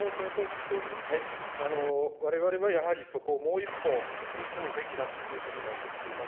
われわれはやはり、そこをもう一歩踏み込むべきだという立場を取っています。